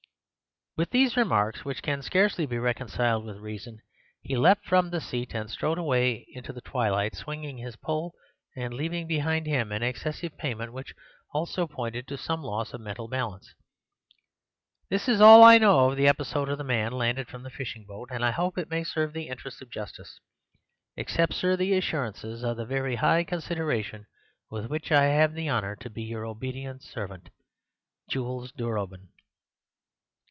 "With these remarks, which can scarcely be reconciled with reason, he leapt from the seat and strode away into the twilight, swinging his pole and leaving behind him an excessive payment, which also pointed to some loss of mental balance. This is all I know of the episode of the man landed from the fishing boat, and I hope it may serve the interests of justice.— Accept, Sir, the assurances of the very high consideration, with which I have the honour to be your obedient servant, "Jules Durobin."